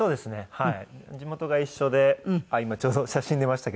はい。